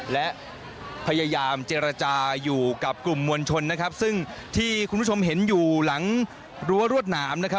และพยายามเจรจาอยู่กับกลุ่มมวลชนนะครับซึ่งที่คุณผู้ชมเห็นอยู่หลังรั้วรวดหนามนะครับ